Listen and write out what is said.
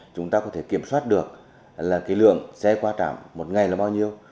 chúng ta có thể kiểm soát được là cái lượng xe qua trạm một ngày là bao nhiêu